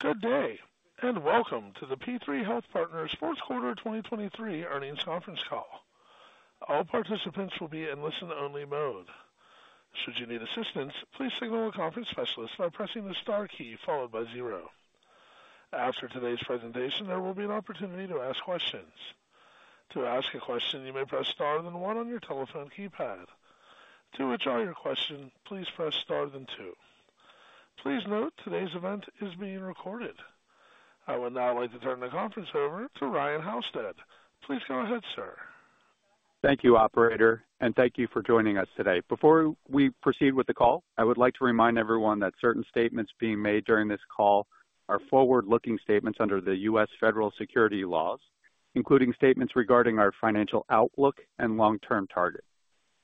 Good day and welcome to the P3 Health Partners fourth quarter 2023 earnings conference call. All participants will be in listen-only mode. Should you need assistance, please signal a conference specialist by pressing the star key followed by zero. After today's presentation, there will be an opportunity to ask questions. To ask a question, you may press star then one on your telephone keypad. To withdraw your question, please press star then two. Please note today's event is being recorded. I would now like to turn the conference over to Ryan Halsted. Please go ahead, sir. Thank you, operator, and thank you for joining us today. Before we proceed with the call, I would like to remind everyone that certain statements being made during this call are forward-looking statements under the U.S. federal securities laws, including statements regarding our financial outlook and long-term target.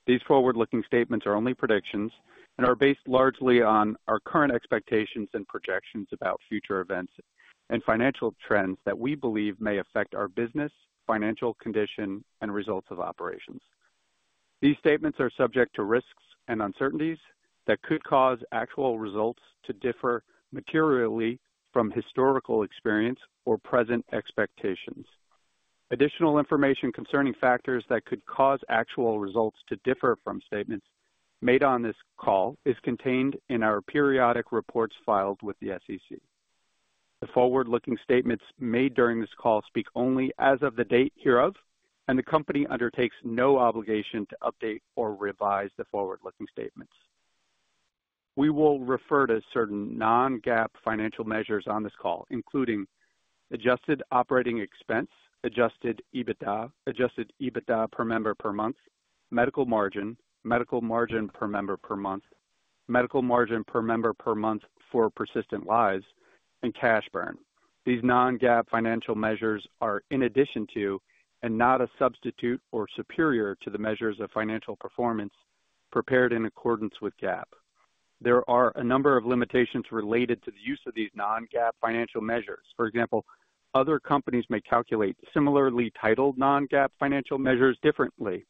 These forward-looking statements are only predictions and are based largely on our current expectations and projections about future events and financial trends that we believe may affect our business, financial condition, and results of operations. These statements are subject to risks and uncertainties that could cause actual results to differ materially from historical experience or present expectations. Additional information concerning factors that could cause actual results to differ from statements made on this call is contained in our periodic reports filed with the SEC. The forward-looking statements made during this call speak only as of the date hereof, and the company undertakes no obligation to update or revise the forward-looking statements. We will refer to certain non-GAAP financial measures on this call, including adjusted operating expense, adjusted EBITDA, adjusted EBITDA per member per month, medical margin, medical margin per member per month, medical margin per member per month for persistent lives, and cash burn. These non-GAAP financial measures are in addition to and not a substitute or superior to the measures of financial performance prepared in accordance with GAAP. There are a number of limitations related to the use of these non-GAAP financial measures. For example, other companies may calculate similarly titled non-GAAP financial measures differently.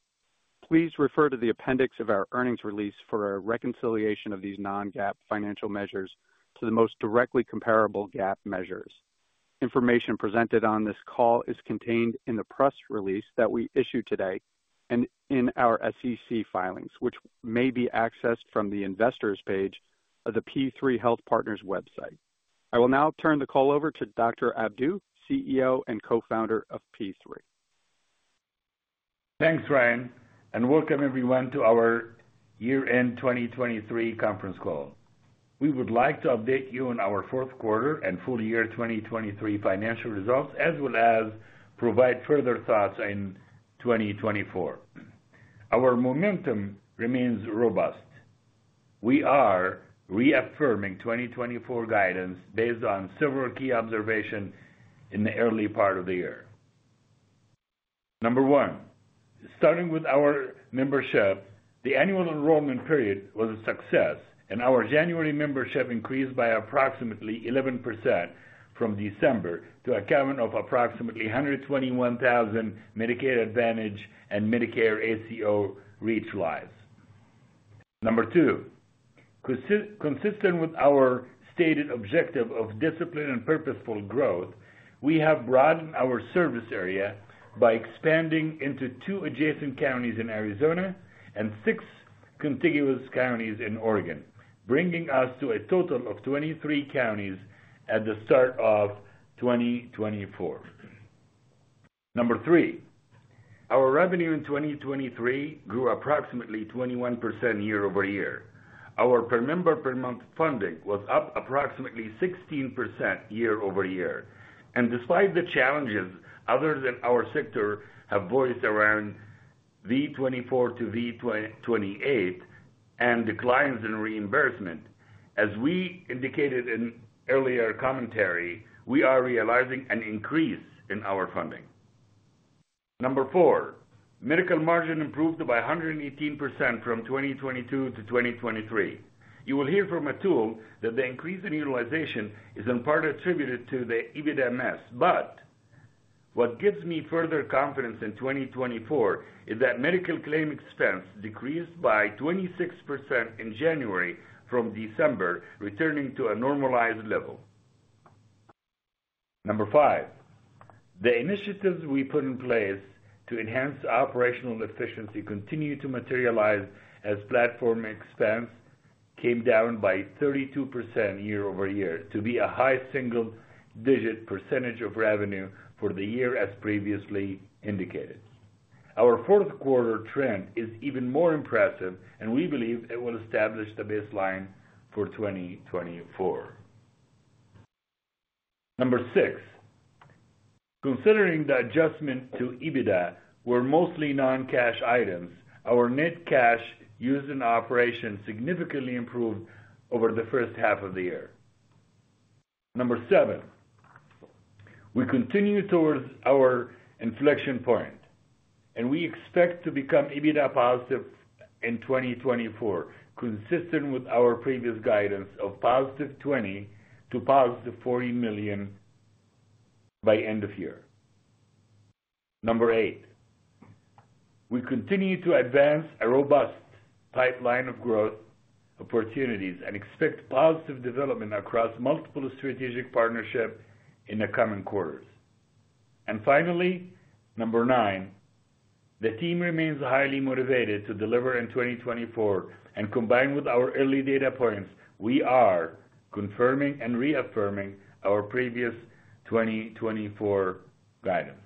Please refer to the appendix of our earnings release for a reconciliation of these non-GAAP financial measures to the most directly comparable GAAP measures. Information presented on this call is contained in the press release that we issue today and in our SEC filings, which may be accessed from the investors page of the P3 Health Partners website. I will now turn the call over to Dr. Abdou, CEO and co-founder of P3. Thanks, Ryan, and welcome everyone to our year-end 2023 conference call. We would like to update you on our fourth quarter and full year 2023 financial results as well as provide further thoughts in 2024. Our momentum remains robust. We are reaffirming 2024 guidance based on several key observations in the early part of the year. Number one, starting with our membership, the Annual Enrollment Period was a success, and our January membership increased by approximately 11% from December to a count of approximately 121,000 Medicare Advantage and Medicare ACO REACH lives. Number two, consistent with our stated objective of discipline and purposeful growth, we have broadened our service area by expanding into two adjacent counties in Arizona and six contiguous counties in Oregon, bringing us to a total of 23 counties at the start of 2024. Number three, our revenue in 2023 grew approximately 21% year-over-year. Our per member per month funding was up approximately 16% year-over-year. Despite the challenges others in our sector have voiced around V24 to V28 and declines in reimbursement, as we indicated in earlier commentary, we are realizing an increase in our funding. Number four, medical margin improved by 118% from 2022 to 2023. You will hear from Atul that the increase in utilization is in part attributed to the EBITMS, but what gives me further confidence in 2024 is that medical claim expense decreased by 26% in January from December, returning to a normalized level. Number five, the initiatives we put in place to enhance operational efficiency continue to materialize as platform expense came down by 32% year-over-year to be a high single-digit percentage of revenue for the year as previously indicated. Our fourth quarter trend is even more impressive, and we believe it will establish the baseline for 2024. Number 6, considering the adjustment to EBITDA were mostly non-cash items, our net cash used in operations significantly improved over the first half of the year. Number 7, we continue towards our inflection point, and we expect to become EBITDA positive in 2024, consistent with our previous guidance of $20 million-$40 million by end of year. Number 8, we continue to advance a robust pipeline of growth opportunities and expect positive development across multiple strategic partnerships in the coming quarters. And finally, number 9, the team remains highly motivated to deliver in 2024, and combined with our early data points, we are confirming and reaffirming our previous 2024 guidance.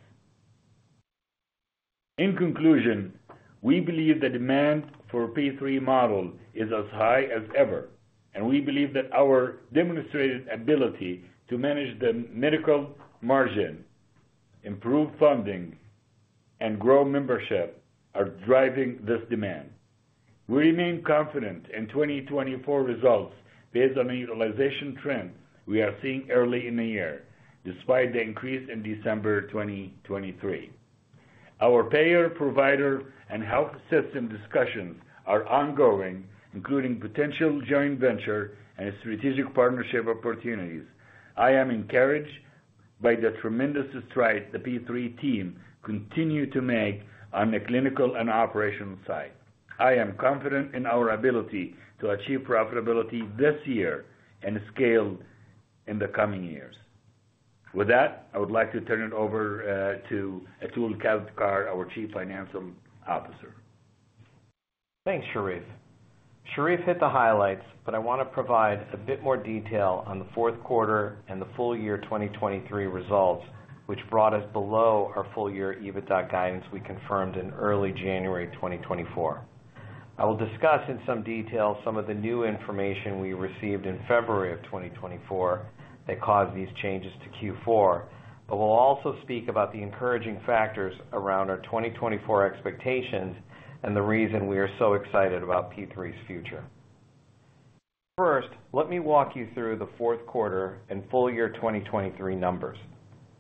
In conclusion, we believe the demand for P3 model is as high as ever, and we believe that our demonstrated ability to manage the medical margin, improve funding, and grow membership are driving this demand. We remain confident in 2024 results based on the utilization trend we are seeing early in the year, despite the increase in December 2023. Our payer-provider and health system discussions are ongoing, including potential joint venture and strategic partnership opportunities. I am encouraged by the tremendous stride the P3 team continues to make on the clinical and operational side. I am confident in our ability to achieve profitability this year and scale in the coming years. With that, I would like to turn it over to Atul Kavthekar, our Chief Financial Officer. Thanks, Sherif. Sherif hit the highlights, but I want to provide a bit more detail on the fourth quarter and the full year 2023 results, which brought us below our full year EBITDA guidance we confirmed in early January 2024. I will discuss in some detail some of the new information we received in February of 2024 that caused these changes to Q4, but we'll also speak about the encouraging factors around our 2024 expectations and the reason we are so excited about P3's future. First, let me walk you through the fourth quarter and full year 2023 numbers.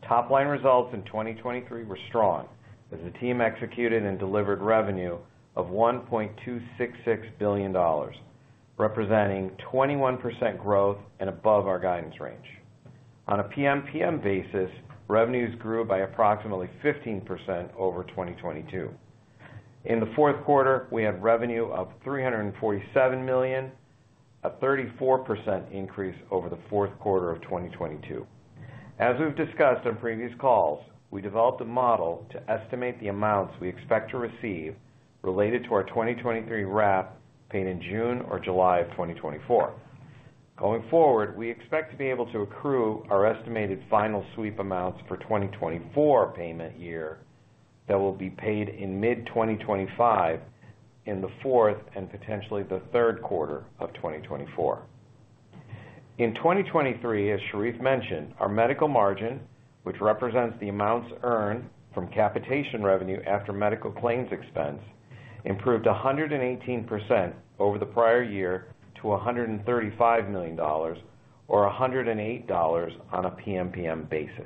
Top-line results in 2023 were strong as the team executed and delivered revenue of $1.266 billion, representing 21% growth and above our guidance range. On a PMPM basis, revenues grew by approximately 15% over 2022. In the fourth quarter, we had revenue of $347 million, a 34% increase over the fourth quarter of 2022. As we've discussed on previous calls, we developed a model to estimate the amounts we expect to receive related to our 2023 RAPS paid in June or July of 2024. Going forward, we expect to be able to accrue our estimated final sweep amounts for 2024 payment year that will be paid in mid-2025 in the fourth and potentially the third quarter of 2024. In 2023, as Sherif mentioned, our medical margin, which represents the amounts earned from capitation revenue after medical claims expense, improved 118% over the prior year to $135 million, or $108 on a PMPM basis.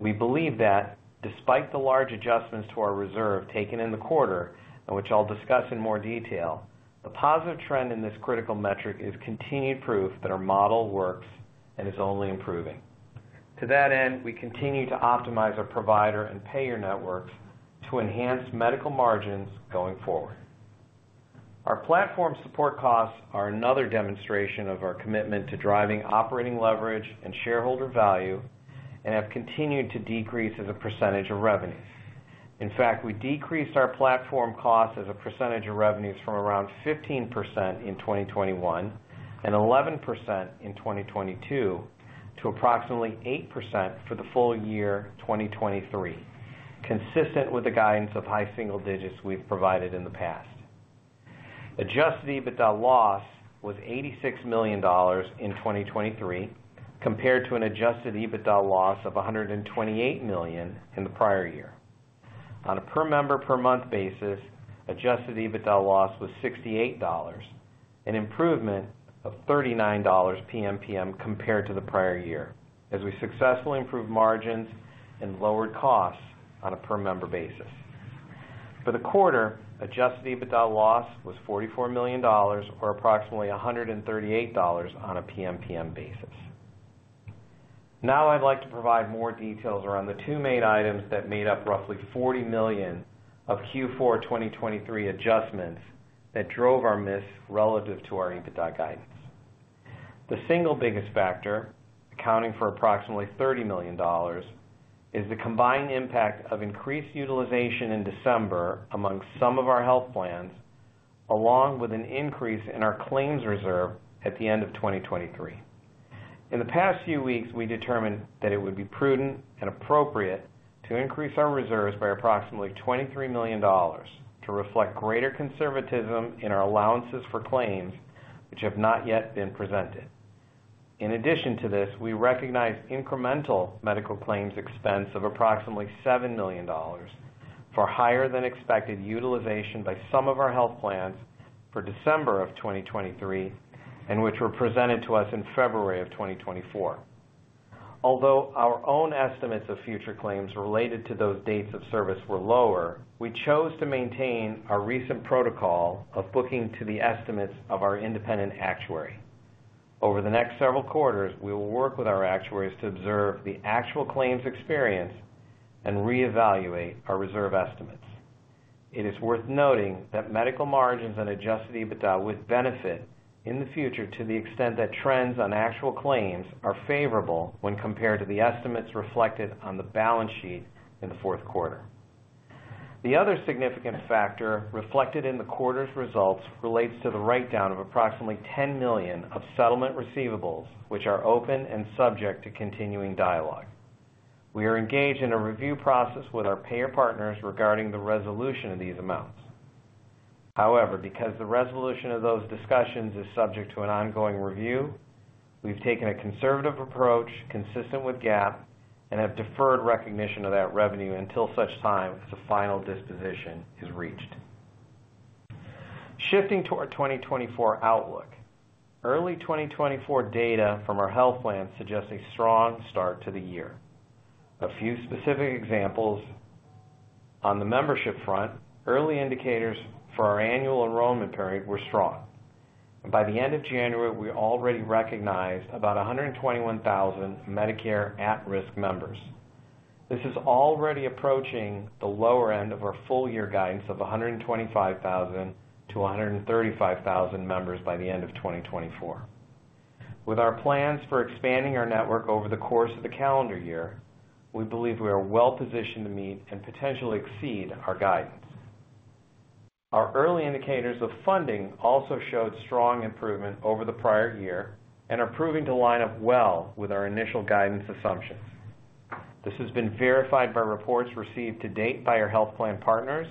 We believe that despite the large adjustments to our reserve taken in the quarter, which I'll discuss in more detail, the positive trend in this critical metric is continued proof that our model works and is only improving. To that end, we continue to optimize our provider and payer networks to enhance medical margins going forward. Our platform support costs are another demonstration of our commitment to driving operating leverage and shareholder value and have continued to decrease as a percentage of revenue. In fact, we decreased our platform costs as a percentage of revenues from around 15% in 2021 and 11% in 2022 to approximately 8% for the full year 2023, consistent with the guidance of high single digits we've provided in the past. Adjusted EBITDA loss was $86 million in 2023 compared to an adjusted EBITDA loss of $128 million in the prior year. On a per member per month basis, adjusted EBITDA loss was $68, an improvement of $39 PMPM compared to the prior year as we successfully improved margins and lowered costs on a per member basis. For the quarter, adjusted EBITDA loss was $44 million, or approximately $138 on a PMPM basis. Now I'd like to provide more details around the two main items that made up roughly $40 million of Q4 2023 adjustments that drove our miss relative to our EBITDA guidance. The single biggest factor, accounting for approximately $30 million, is the combined impact of increased utilization in December among some of our health plans, along with an increase in our claims reserve at the end of 2023. In the past few weeks, we determined that it would be prudent and appropriate to increase our reserves by approximately $23 million to reflect greater conservatism in our allowances for claims, which have not yet been presented. In addition to this, we recognized incremental medical claims expense of approximately $7 million for higher-than-expected utilization by some of our health plans for December of 2023 and which were presented to us in February of 2024. Although our own estimates of future claims related to those dates of service were lower, we chose to maintain our recent protocol of booking to the estimates of our independent actuary. Over the next several quarters, we will work with our actuaries to observe the actual claims experience and reevaluate our reserve estimates. It is worth noting that medical margins and Adjusted EBITDA would benefit in the future to the extent that trends on actual claims are favorable when compared to the estimates reflected on the balance sheet in the fourth quarter. The other significant factor reflected in the quarter's results relates to the write-down of approximately $10 million of settlement receivables, which are open and subject to continuing dialogue. We are engaged in a review process with our payer partners regarding the resolution of these amounts. However, because the resolution of those discussions is subject to an ongoing review, we've taken a conservative approach consistent with GAAP and have deferred recognition of that revenue until such time as a final disposition is reached. Shifting to our 2024 outlook, early 2024 data from our health plans suggests a strong start to the year. A few specific examples. On the membership front, early indicators for our Annual Enrollment Period were strong. By the end of January, we already recognized about 121,000 Medicare at-risk members. This is already approaching the lower end of our full year guidance of 125,000-135,000 members by the end of 2024. With our plans for expanding our network over the course of the calendar year, we believe we are well positioned to meet and potentially exceed our guidance. Our early indicators of funding also showed strong improvement over the prior year and are proving to line up well with our initial guidance assumptions. This has been verified by reports received to date by our health plan partners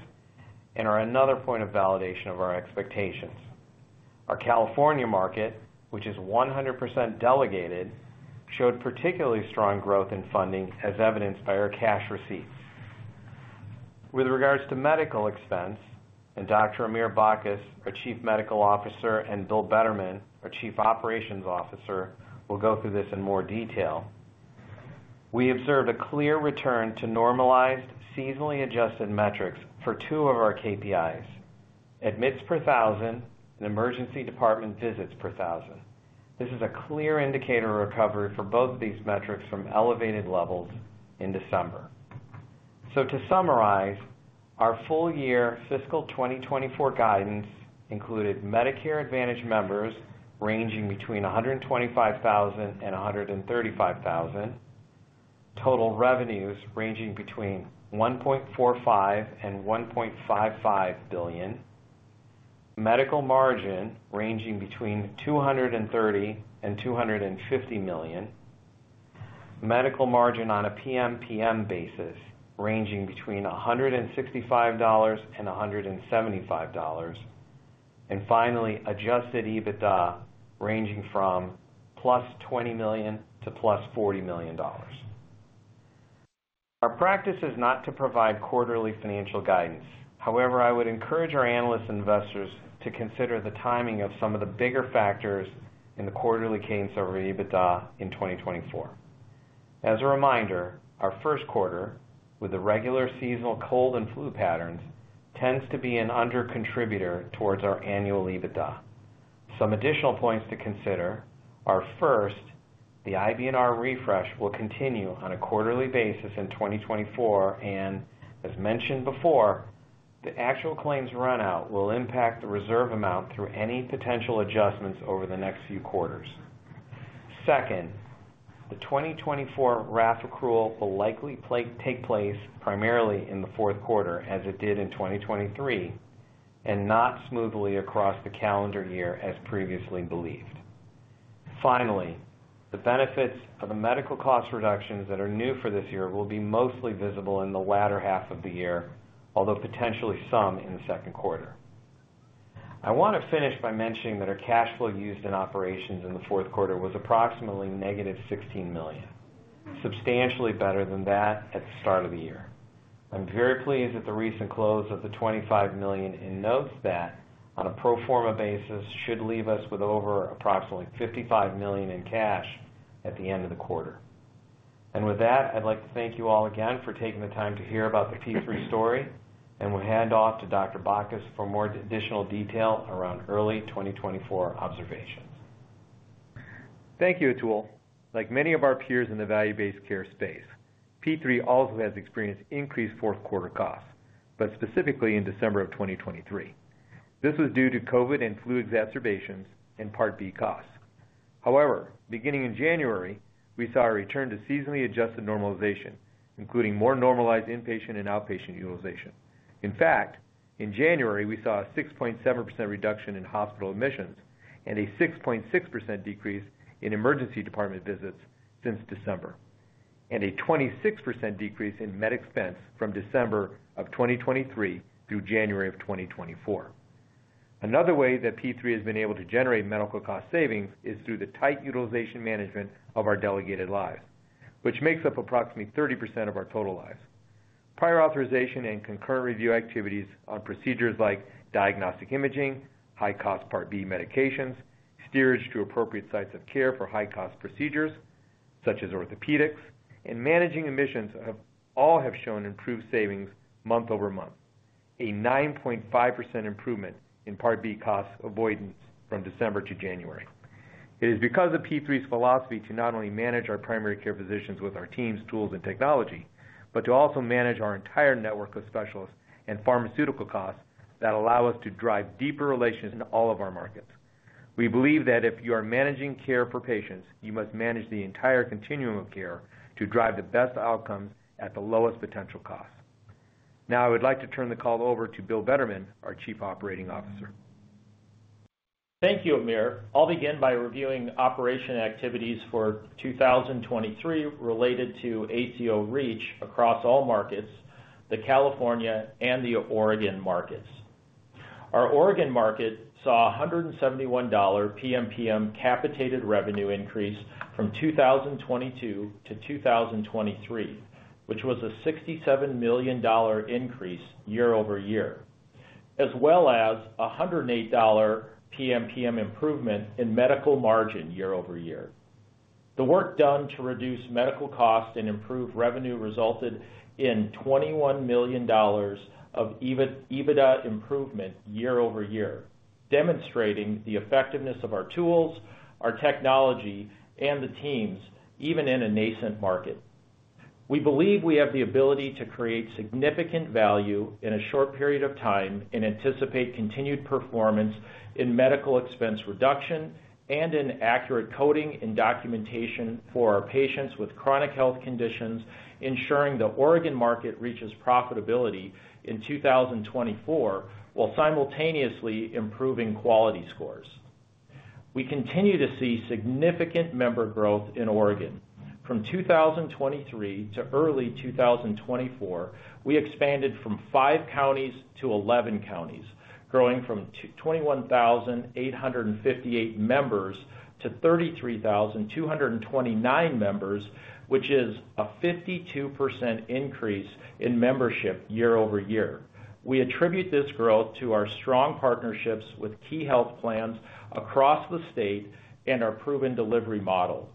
and are another point of validation of our expectations. Our California market, which is 100% delegated, showed particularly strong growth in funding as evidenced by our cash receipts. With regards to medical expense, and Dr. Amir Bacchus, our Chief Medical Officer, and Bill Bettermann, our Chief Operating Officer, will go through this in more detail. We observed a clear return to normalized, seasonally adjusted metrics for two of our KPIs: admits per 1,000 and emergency department visits per 1,000. This is a clear indicator of recovery for both of these metrics from elevated levels in December. So to summarize, our full year fiscal 2024 guidance included Medicare Advantage members ranging between 125,000 and 135,000, total revenues ranging between $1.45 billion-$1.55 billion, medical margin ranging between $230 million-$250 million, medical margin on a PMPM basis ranging between $165-$175, and finally, Adjusted EBITDA ranging from $20 million to $40 million. Our practice is not to provide quarterly financial guidance. However, I would encourage our analysts and investors to consider the timing of some of the bigger factors in the quarterly cadence over EBITDA in 2024. As a reminder, our first quarter, with the regular seasonal cold and flu patterns, tends to be an undercontributor towards our annual EBITDA. Some additional points to consider are, first, the IBNR refresh will continue on a quarterly basis in 2024 and, as mentioned before, the actual claims runout will impact the reserve amount through any potential adjustments over the next few quarters. Second, the 2024 RAPS accrual will likely take place primarily in the fourth quarter as it did in 2023 and not smoothly across the calendar year as previously believed. Finally, the benefits of the medical cost reductions that are new for this year will be mostly visible in the latter half of the year, although potentially some in the second quarter. I want to finish by mentioning that our cash flow used in operations in the fourth quarter was approximately negative $16 million, substantially better than that at the start of the year. I'm very pleased that the recent close of the $25 million in notes that, on a pro forma basis, should leave us with over approximately $55 million in cash at the end of the quarter. And with that, I'd like to thank you all again for taking the time to hear about the P3 story, and we'll hand off to Dr. Bacchus for more additional detail around early 2024 observations. Thank you, Atul. Like many of our peers in the value-based care space, P3 also has experienced increased fourth quarter costs, but specifically in December of 2023. This was due to COVID and flu exacerbations and Part B costs. However, beginning in January, we saw a return to seasonally adjusted normalization, including more normalized inpatient and outpatient utilization. In fact, in January, we saw a 6.7% reduction in hospital admissions and a 6.6% decrease in emergency department visits since December, and a 26% decrease in med expense from December of 2023 through January of 2024. Another way that P3 has been able to generate medical cost savings is through the tight utilization management of our delegated lives, which makes up approximately 30% of our total lives: prior authorization and concurrent review activities on procedures like diagnostic imaging, high-cost Part B medications, steerage to appropriate sites of care for high-cost procedures such as orthopedics, and managing admissions all have shown improved savings month-over-month, a 9.5% improvement in Part B cost avoidance from December to January. It is because of P3's philosophy to not only manage our primary care physicians with our teams, tools, and technology, but to also manage our entire network of specialists and pharmaceutical costs that allow us to drive deeper relations in all of our markets. We believe that if you are managing care for patients, you must manage the entire continuum of care to drive the best outcomes at the lowest potential costs. Now I would like to turn the call over to Bill Bettermann, our Chief Operating Officer. Thank you, Amir. I'll begin by reviewing operational activities for 2023 related to ACO REACH across all markets, the California and the Oregon markets. Our Oregon market saw a $171 PMPM capitated revenue increase from 2022 to 2023, which was a $67 million increase year-over-year, as well as a $108 PMPM improvement in medical margin year-over-year. The work done to reduce medical costs and improve revenue resulted in $21 million of EBITDA improvement year-over-year, demonstrating the effectiveness of our tools, our technology, and the teams even in a nascent market. We believe we have the ability to create significant value in a short period of time and anticipate continued performance in medical expense reduction and in accurate coding and documentation for our patients with chronic health conditions, ensuring the Oregon market reaches profitability in 2024 while simultaneously improving quality scores. We continue to see significant member growth in Oregon. From 2023 to early 2024, we expanded from five counties to 11 counties, growing from 21,858 members to 33,229 members, which is a 52% increase in membership year-over-year. We attribute this growth to our strong partnerships with key health plans across the state and our proven delivery model.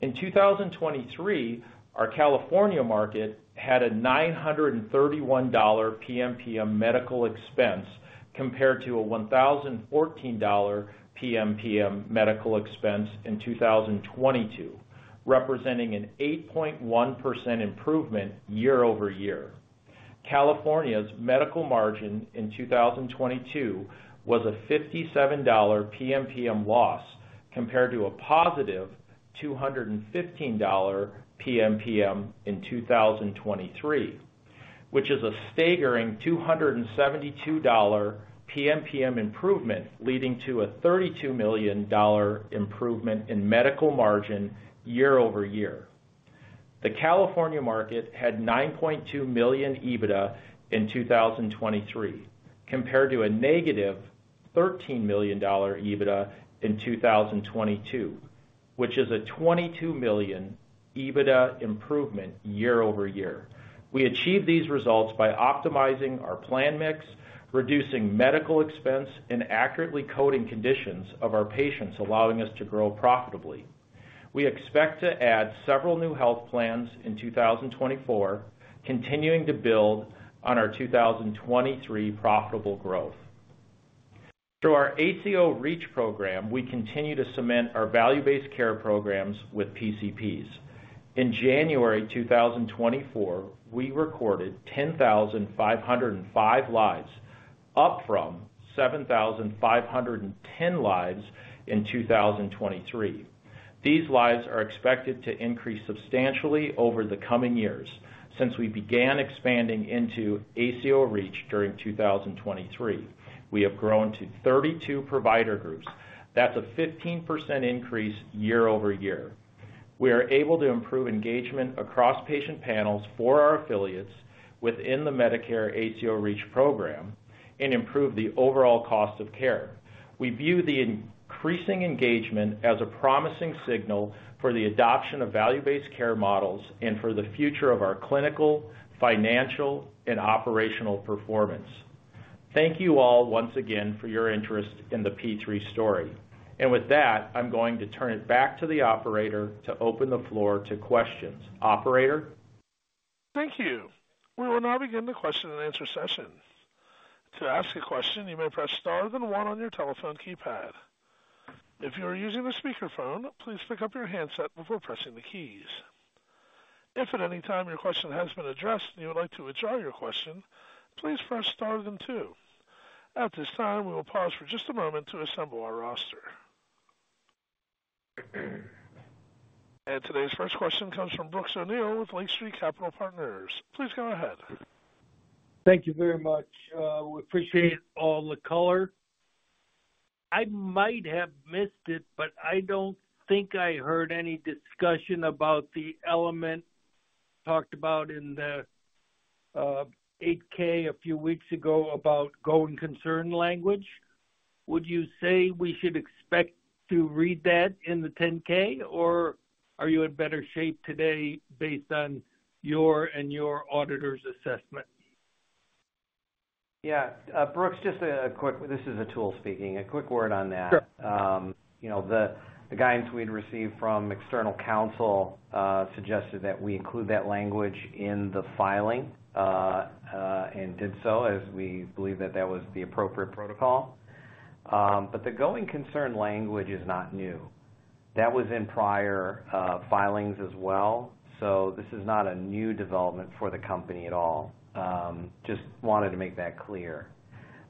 In 2023, our California market had a $931 PMPM medical expense compared to a $1,014 PMPM medical expense in 2022, representing an 8.1% improvement year-over-year. California's medical margin in 2022 was a $57 PMPM loss compared to a positive $215 PMPM in 2023, which is a staggering $272 PMPM improvement leading to a $32 million improvement in medical margin year-over-year. The California market had $9.2 million EBITDA in 2023 compared to a negative $13 million EBITDA in 2022, which is a $22 million EBITDA improvement year-over-year. We achieved these results by optimizing our plan mix, reducing medical expense, and accurately coding conditions of our patients, allowing us to grow profitably. We expect to add several new health plans in 2024, continuing to build on our 2023 profitable growth. Through our ACO REACH program, we continue to cement our value-based care programs with PCPs. In January 2024, we recorded 10,505 lives, up from 7,510 lives in 2023. These lives are expected to increase substantially over the coming years since we began expanding into ACO REACH during 2023. We have grown to 32 provider groups. That's a 15% increase year-over-year. We are able to improve engagement across patient panels for our affiliates within the Medicare ACO REACH program and improve the overall cost of care. We view the increasing engagement as a promising signal for the adoption of value-based care models and for the future of our clinical, financial, and operational performance. Thank you all once again for your interest in the P3 story. And with that, I'm going to turn it back to the operator to open the floor to questions. Operator? Thank you. We will now begin the question and answer session. To ask a question, you may press star, then one on your telephone keypad. If you are using a speakerphone, please pick up your handset before pressing the keys. If at any time your question has been addressed and you would like to withdraw your question, please press star, then two. At this time, we will pause for just a moment to assemble our roster. Today's first question comes from Brooks O'Neil with Lake Street Capital Partners. Please go ahead. Thank you very much. We appreciate all the color. I might have missed it, but I don't think I heard any discussion about the element talked about in the 8-K a few weeks ago about going concern language. Would you say we should expect to read that in the 10-K, or are you in better shape today based on your and your auditor's assessment? Yeah. Brooks, just a quick—this is Atul speaking. A quick word on that. The guidance we'd received from external counsel suggested that we include that language in the filing and did so as we believe that that was the appropriate protocol. But the going concern language is not new. That was in prior filings as well, so this is not a new development for the company at all. Just wanted to make that clear.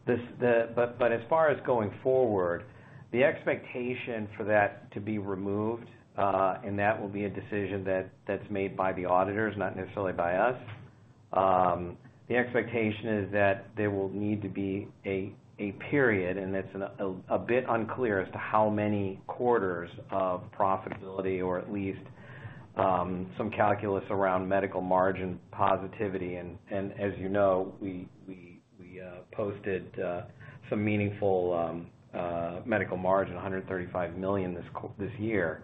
But as far as going forward, the expectation for that to be removed, and that will be a decision that's made by the auditors, not necessarily by us. The expectation is that there will need to be a period, and it's a bit unclear as to how many quarters of profitability or at least some calculus around medical margin positivity. And as you know, we posted some meaningful medical margin, $135 million, this year.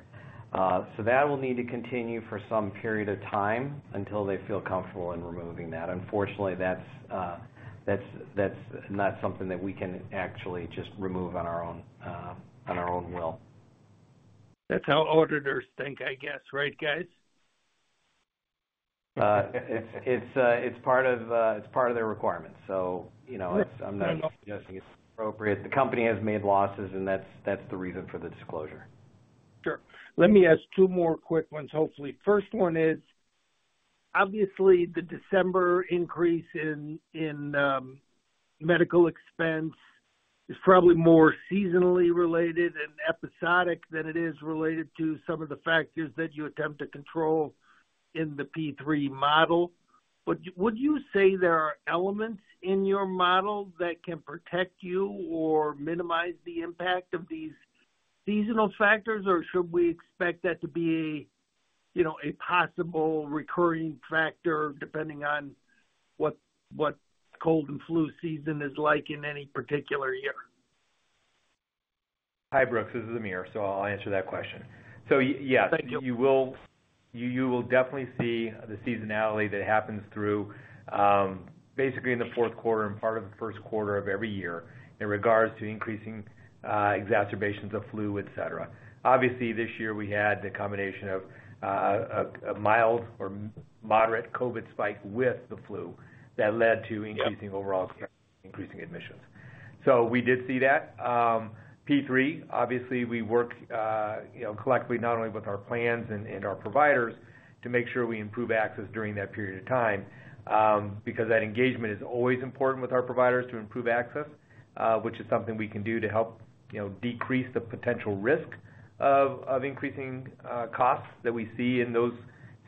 So that will need to continue for some period of time until they feel comfortable in removing that. Unfortunately, that's not something that we can actually just remove on our own will. That's how auditors think, I guess, right, guys? It's part of their requirements, so I'm not suggesting it's appropriate. The company has made losses, and that's the reason for the disclosure. Sure. Let me ask two more quick ones, hopefully. First one is, obviously, the December increase in medical expense is probably more seasonally related and episodic than it is related to some of the factors that you attempt to control in the P3 model. But would you say there are elements in your model that can protect you or minimize the impact of these seasonal factors, or should we expect that to be a possible recurring factor depending on what cold and flu season is like in any particular year? Hi, Brooks. This is Amir, so I'll answer that question. So yes, you will definitely see the seasonality that happens through basically in the fourth quarter and part of the first quarter of every year in regards to increasing exacerbations of flu, etc. Obviously, this year, we had the combination of a mild or moderate COVID spike with the flu that led to increasing overall care, increasing admissions. So we did see that. P3, obviously, we work collectively not only with our plans and our providers to make sure we improve access during that period of time because that engagement is always important with our providers to improve access, which is something we can do to help decrease the potential risk of increasing costs that we see in those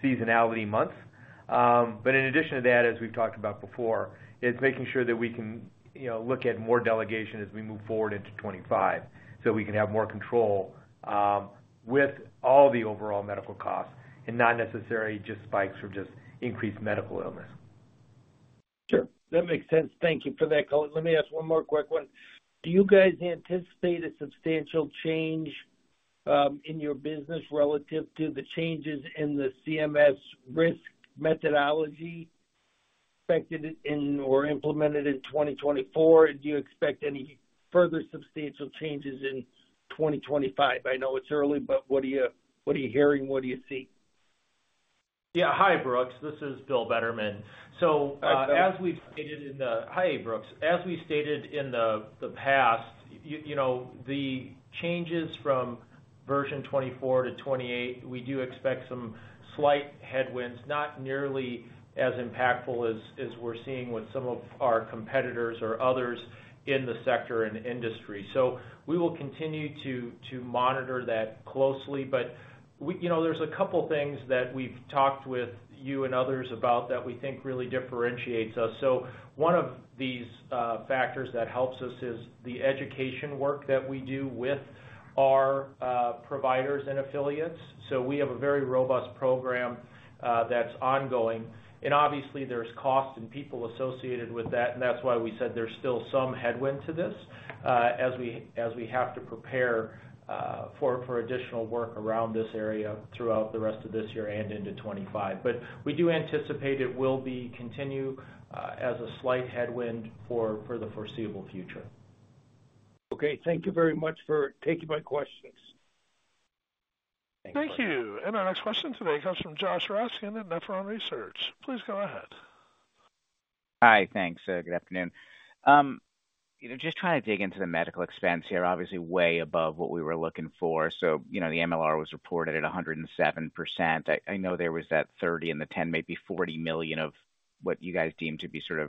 seasonality months. But in addition to that, as we've talked about before, it's making sure that we can look at more delegation as we move forward into 2025 so we can have more control with all the overall medical costs and not necessarily just spikes or just increased medical illness. Sure. That makes sense. Thank you for that color. Let me ask one more quick one. Do you guys anticipate a substantial change in your business relative to the changes in the CMS risk methodology expected or implemented in 2024, and do you expect any further substantial changes in 2025? I know it's early, but what are you hearing? What do you see? Yeah. Hi, Brooks. This is Bill Bettermann. So as we've stated in the past, the changes from version 24 to 28, we do expect some slight headwinds, not nearly as impactful as we're seeing with some of our competitors or others in the sector and industry. So we will continue to monitor that closely, but there's a couple of things that we've talked with you and others about that we think really differentiates us. So one of these factors that helps us is the education work that we do with our providers and affiliates. So we have a very robust program that's ongoing. And obviously, there's cost and people associated with that, and that's why we said there's still some headwind to this as we have to prepare for additional work around this area throughout the rest of this year and into 2025. But we do anticipate it will continue as a slight headwind for the foreseeable future. Okay. Thank you very much for taking my questions. Thanks. Thank you. And our next question today comes from Josh Raskin at Nephron Research. Please go ahead. Hi. Thanks. Good afternoon. Just trying to dig into the medical expense here, obviously way above what we were looking for. So the MLR was reported at 107%. I know there was that $30 million and the $10 million, maybe $40 million of what you guys deem to be sort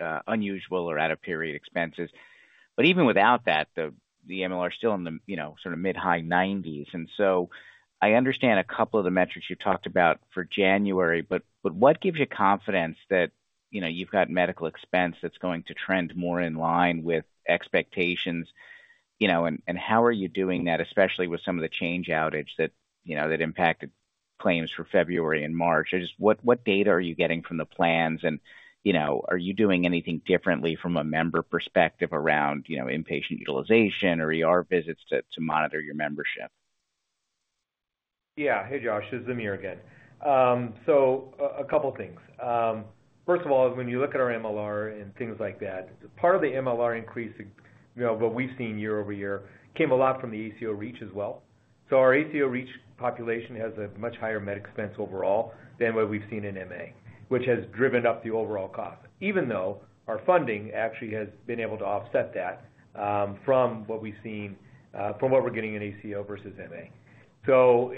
of unusual or out-of-period expenses. But even without that, the MLR is still in the sort of mid-high 90s. And so I understand a couple of the metrics you've talked about for January, but what gives you confidence that you've got medical expense that's going to trend more in line with expectations? And how are you doing that, especially with some of the Change outage that impacted claims for February and March? What data are you getting from the plans, and are you doing anything differently from a member perspective around inpatient utilization or visits to monitor your membership? Yeah. Hey, Josh. This is Amir again. So a couple of things. First of all, when you look at our MLR and things like that, part of the MLR increase what we've seen year-over-year came a lot from the ACO REACH as well. So our ACO REACH population has a much higher med expense overall than what we've seen in MA, which has driven up the overall cost, even though our funding actually has been able to offset that from what we've seen from what we're getting in ACO versus MA. So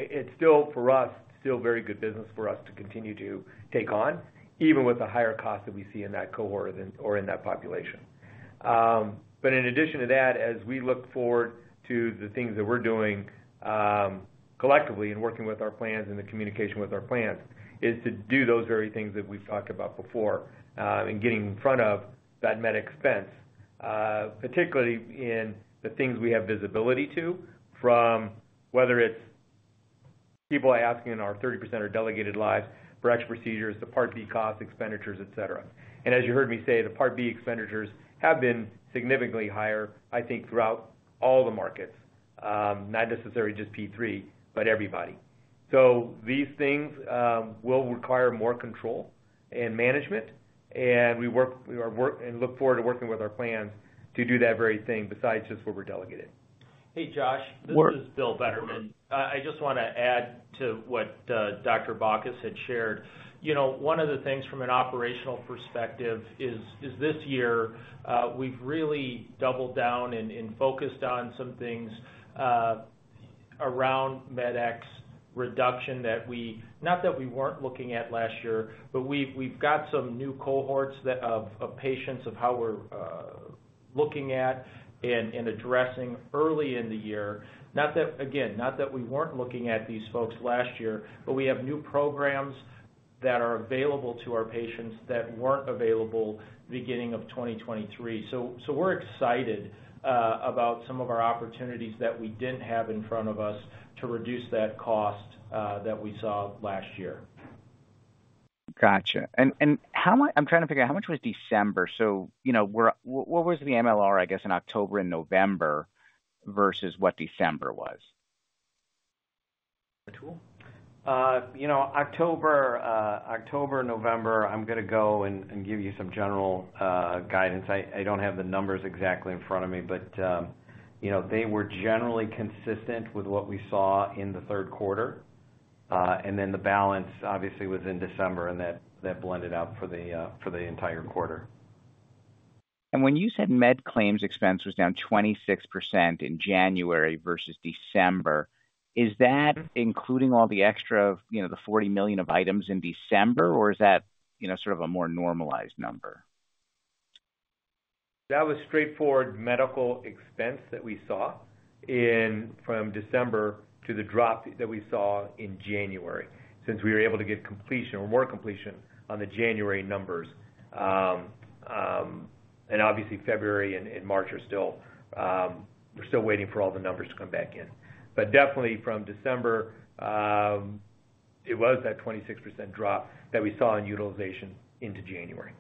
for us, still very good business for us to continue to take on, even with the higher cost that we see in that cohort or in that population. But in addition to that, as we look forward to the things that we're doing collectively and working with our plans and the communication with our plans, is to do those very things that we've talked about before and getting in front of that med expense, particularly in the things we have visibility to, whether it's people asking in our 30% or delegated lives for extra procedures, the Part B costs, expenditures, etc. As you heard me say, the Part B expenditures have been significantly higher, I think, throughout all the markets, not necessarily just P3, but everybody. So these things will require more control and management, and we work and look forward to working with our plans to do that very thing besides just what we're delegated. Hey, Josh. This is Bill Bettermann. I just want to add to what Dr. Bacchus had shared. One of the things from an operational perspective is this year, we've really doubled down and focused on some things around MedEx reduction that we weren't looking at last year, but we've got some new cohorts of patients of how we're looking at and addressing early in the year. Again, not that we weren't looking at these folks last year, but we have new programs that are available to our patients that weren't available beginning of 2023. So we're excited about some of our opportunities that we didn't have in front of us to reduce that cost that we saw last year. Gotcha. And I'm trying to figure out how much was December. So what was the MLR, I guess, in October and November versus what December was? Atul? October, November, I'm going to go and give you some general guidance. I don't have the numbers exactly in front of me, but they were generally consistent with what we saw in the third quarter. And then the balance, obviously, was in December, and that blended out for the entire quarter. When you said med claims expense was down 26% in January versus December, is that including all the extra of the $40 million of items in December, or is that sort of a more normalized number? That was straightforward medical expense that we saw from December to the drop that we saw in January since we were able to get completion or more completion on the January numbers. And obviously, February and March, we're still waiting for all the numbers to come back in. But definitely, from December, it was that 26% drop that we saw in utilization into January.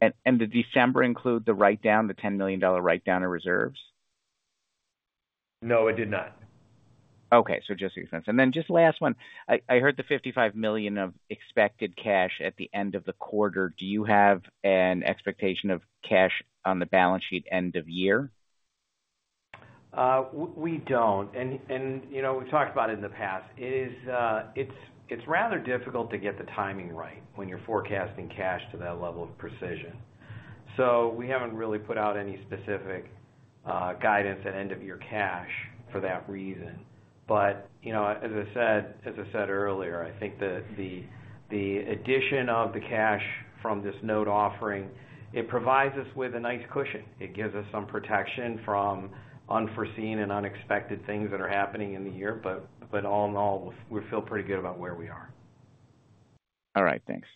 And did December include the write-down, the $10 million write-down in reserves? No, it did not. Okay. So just expense. And then just last one. I heard the $55 million of expected cash at the end of the quarter. Do you have an expectation of cash on the balance sheet end of year? We don't. And we've talked about it in the past. It's rather difficult to get the timing right when you're forecasting cash to that level of precision. So we haven't really put out any specific guidance at end-of-year cash for that reason. But as I said earlier, I think the addition of the cash from this note offering, it provides us with a nice cushion. It gives us some protection from unforeseen and unexpected things that are happening in the year. But all in all, we feel pretty good about where we are. All right. Thanks.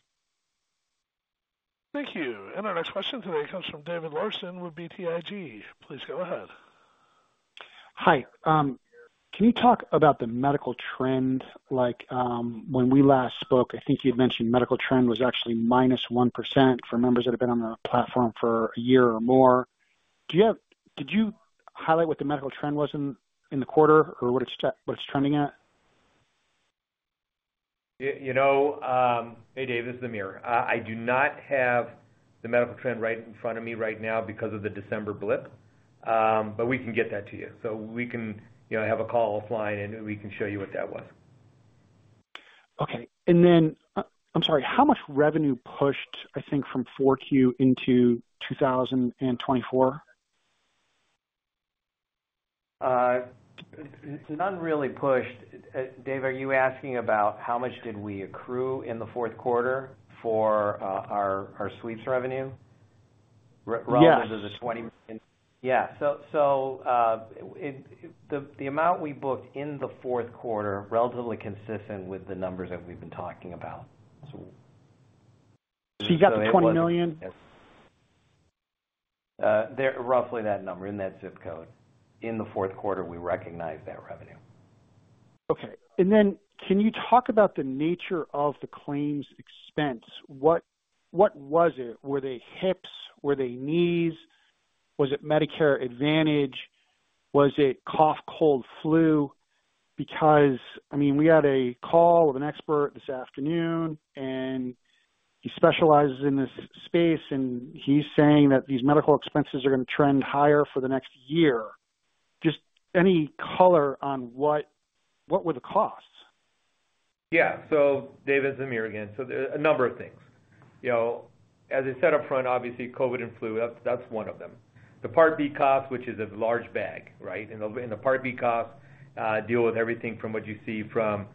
Thank you. And our next question today comes from David Larsen with BTIG. Please go ahead. Hi. Can you talk about the medical trend? When we last spoke, I think you had mentioned medical trend was actually -1% for members that have been on the platform for a year or more. Did you highlight what the medical trend was in the quarter or what it's trending at? Hey, Dave. This is Amir. I do not have the medical trend right in front of me right now because of the December blip. But we can get that to you. So we can have a call offline, and we can show you what that was. Okay. And then I'm sorry. How much revenue pushed, I think, from 4Q into 2024? None really pushed. Dave, are you asking about how much did we accrue in the fourth quarter for our sweeps revenue relative to the $20 million? Yeah. So the amount we booked in the fourth quarter, relatively consistent with the numbers that we've been talking about. So roughly that. So you got the $20 million? Roughly that number in that zip code. In the fourth quarter, we recognized that revenue. Okay. And then can you talk about the nature of the claims expense? What was it? Were they hips? Were they knees? Was it Medicare Advantage? Was it cough, cold, flu? I mean, we had a call with an expert this afternoon, and he specializes in this space, and he's saying that these medical expenses are going to trend higher for the next year. Just any color on what were the costs? Yeah. So Dave, it's Amir again. So a number of things. As I said upfront, obviously, COVID and flu, that's one of them. The Part B costs, which is a large bag, right? And the Part B costs deal with everything from what you see from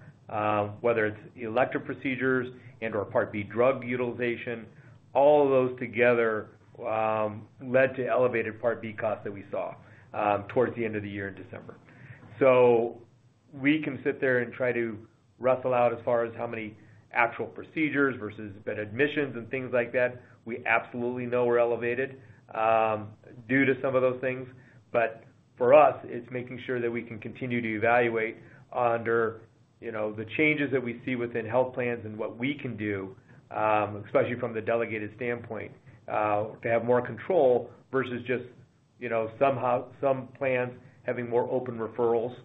whether it's elective procedures and/or Part B drug utilization. All of those together led to elevated Part B costs that we saw towards the end of the year in December. So we can sit there and try to wrestle out as far as how many actual procedures versus bed admissions and things like that. We absolutely know they were elevated due to some of those things. But for us, it's making sure that we can continue to evaluate under the changes that we see within health plans and what we can do, especially from the delegated standpoint, to have more control versus just some plans having more open referrals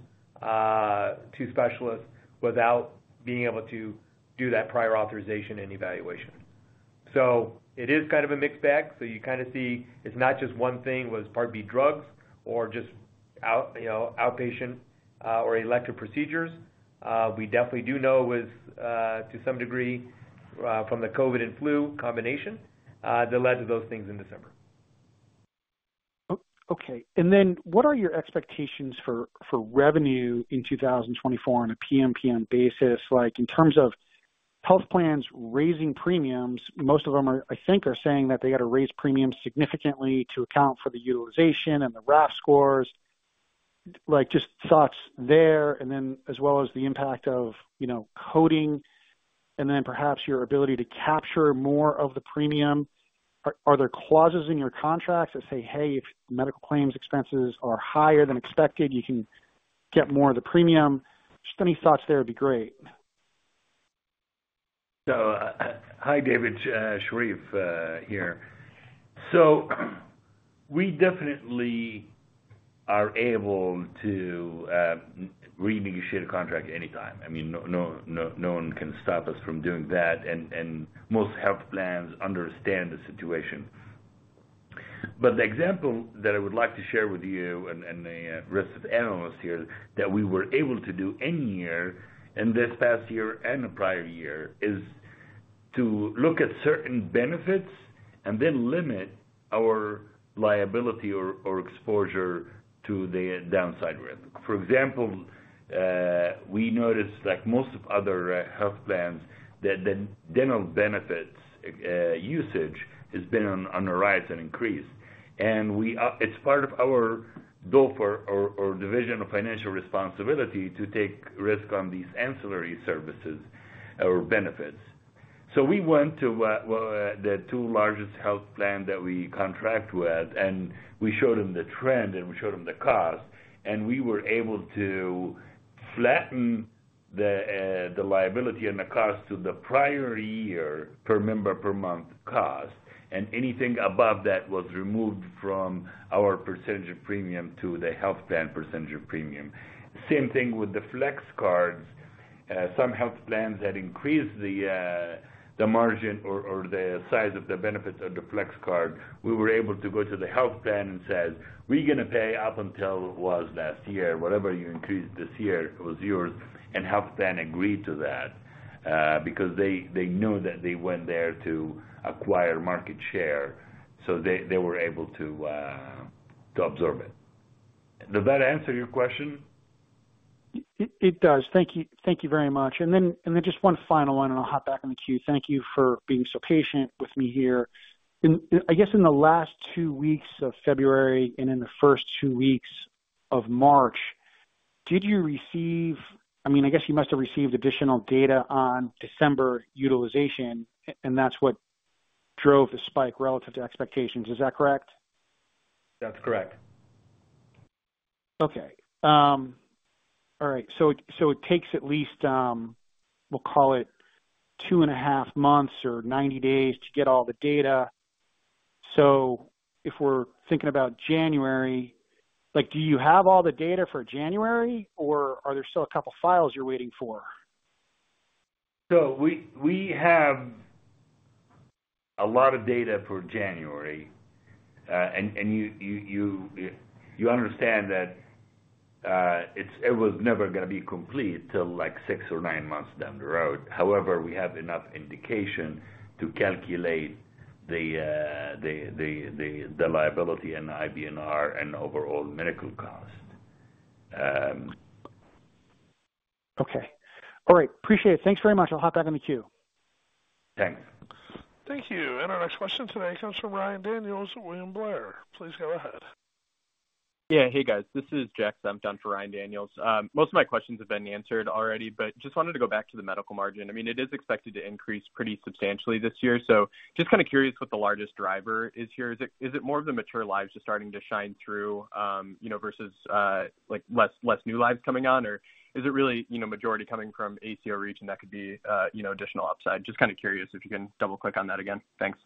to specialists without being able to do that prior authorization and evaluation. So it is kind of a mixed bag. So you kind of see it's not just one thing, was Part B drugs or just outpatient or elective procedures. We definitely do know it was to some degree from the COVID and flu combination that led to those things in December. Okay. And then what are your expectations for revenue in 2024 on a PMPM basis? In terms of health plans raising premiums, most of them, I think, are saying that they got to raise premiums significantly to account for the utilization and the RAF scores. Just thoughts there, and then as well as the impact of coding and then perhaps your ability to capture more of the premium. Are there clauses in your contracts that say, "Hey, if medical claims expenses are higher than expected, you can get more of the premium"? Just any thoughts there would be great. So hi, David. Sherif here. So we definitely are able to renegotiate a contract anytime. I mean, no one can stop us from doing that. And most health plans understand the situation. But the example that I would like to share with you and the rest of the analysts here that we were able to do any year in this past year and the prior year is to look at certain benefits and then limit our liability or exposure to the downside risk. For example, we noticed like most other health plans that the dental benefits usage has been on the rise and increased. And it's part of our DOFR or division of financial responsibility to take risk on these ancillary services or benefits. So we went to the two largest health plans that we contract with, and we showed them the trend, and we showed them the cost. We were able to flatten the liability and the cost to the prior year per member per month cost. Anything above that was removed from our percentage of premium to the health plan percentage of premium. Same thing with the Flex Cards. Some health plans had increased the margin or the size of the benefits of the Flex Card. We were able to go to the health plan and say, "We're going to pay up until it was last year. Whatever you increased this year, it was yours." The health plan agreed to that because they knew that they went there to acquire market share. They were able to absorb it. Did that answer your question? It does. Thank you very much. Then just one final one, and I'll hop back on the queue. Thank you for being so patient with me here. I guess in the last 2 weeks of February and in the first 2 weeks of March, did you receive—I mean, I guess you must have received additional data on December utilization, and that's what drove the spike relative to expectations. Is that correct? That's correct. Okay. All right. So it takes at least, we'll call it 2.5 months or 90 days, to get all the data. So if we're thinking about January, do you have all the data for January, or are there still a couple of files you're waiting for? So we have a lot of data for January. And you understand that it was never going to be complete till like 6 or 9 months down the road. However, we have enough indication to calculate the liability and the IBNR and overall medical cost. Okay. All right. Appreciate it. Thanks very much. I'll hop back on the queue. Thanks. Thank you. Our next question today comes from Ryan Daniels at William Blair. Please go ahead. Yeah. Hey, guys. This is Jackson. I'm sub for Ryan Daniels. Most of my questions have been answered already, but just wanted to go back to the medical margin. I mean, it is expected to increase pretty substantially this year. So just kind of curious what the largest driver is here. Is it more of the mature lives just starting to shine through versus less new lives coming on, or is it really majority coming from ACO REACH, and that could be additional upside? Just kind of curious if you can double-click on that again. Thanks.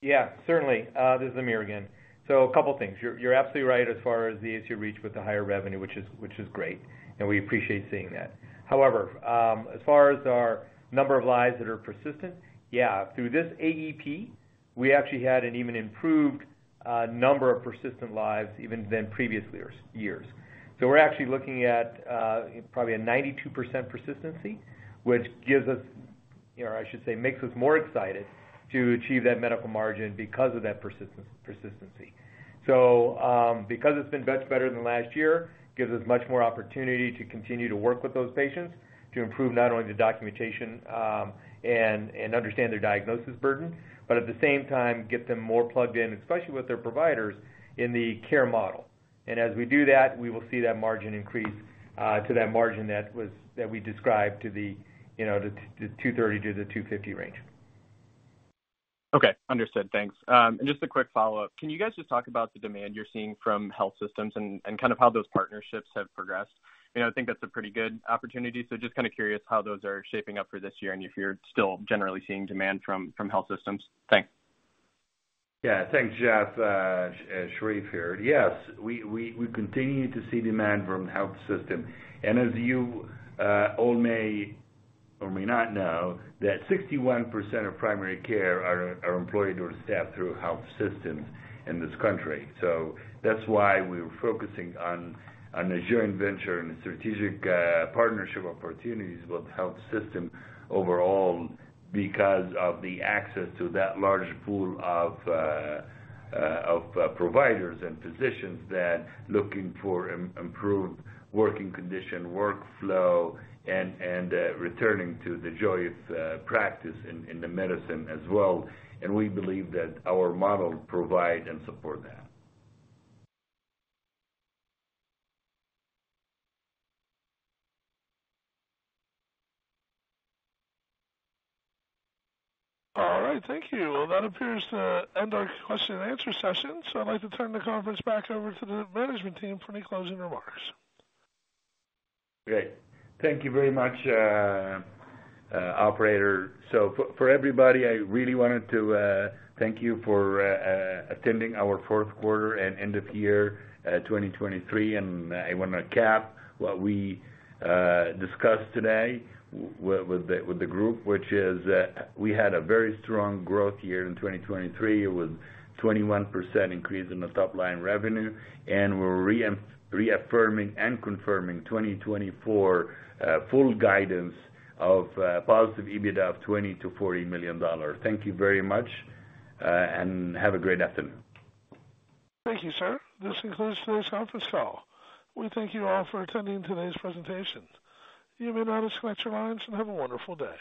Yeah. Certainly. This is Amir again. So a couple of things. You're absolutely right as far as the ACO REACH with the higher revenue, which is great. And we appreciate seeing that. However, as far as our number of lives that are persistent, yeah, through this AEP, we actually had an even improved number of persistent lives even than previous years. So we're actually looking at probably a 92% persistency, which gives us or I should say makes us more excited to achieve that medical margin because of that persistency. So because it's been much better than last year, it gives us much more opportunity to continue to work with those patients to improve not only the documentation and understand their diagnosis burden, but at the same time, get them more plugged in, especially with their providers, in the care model. And as we do that, we will see that margin increase to that margin that we described to the $230-$250 range. Okay. Understood. Thanks. And just a quick follow-up. Can you guys just talk about the demand you're seeing from health systems and kind of how those partnerships have progressed? I think that's a pretty good opportunity. So just kind of curious how those are shaping up for this year and if you're still generally seeing demand from health systems. Thanks. Yeah. Thanks, Jeff. Sherif here. Yes. We continue to see demand from the health system. And as you all may or may not know, 61% of primary care are employed or staffed through health systems in this country. So that's why we're focusing on a joint venture and a strategic partnership opportunities with health system overall because of the access to that large pool of providers and physicians that are looking for improved working condition, workflow, and returning to the joy of practice in the medicine as well. We believe that our model provides and supports that. All right. Thank you. Well, that appears to end our question-and-answer session. So I'd like to turn the conference back over to the management team for any closing remarks. Okay. Thank you very much, operator. So for everybody, I really wanted to thank you for attending our fourth quarter and end of year 2023. And I want to cap what we discussed today with the group, which is we had a very strong growth year in 2023. It was 21% increase in the top-line revenue. And we're reaffirming and confirming 2024 full guidance of positive EBITDA of $20 million-$40 million. Thank you very much, and have a great afternoon. Thank you, sir. This concludes today's conference call. We thank you all for attending today's presentation. You may now disconnect your lines and have a wonderful day.